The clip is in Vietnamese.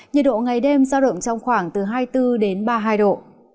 nhiệt độ ngày đêm sao động trong khoảng hai mươi bốn ba mươi hai độ